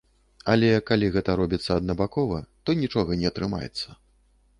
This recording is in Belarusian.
Але калі гэта робіцца аднабакова, то нічога не атрымаецца.